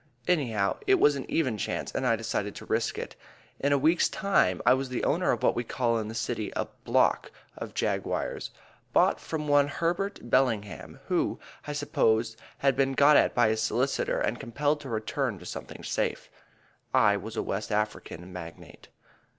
Anyhow, it was an even chance, and I decided to risk it. In a week's time I was the owner of what we call in the City a "block" of Jaguars bought from one Herbert Bellingham, who, I suppose, had been got at by his solicitor and compelled to return to something safe. I was a West African magnate.